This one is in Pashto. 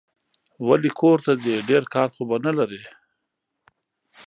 ولي کورته ځې ؟ ډېر کار خو به نه لرې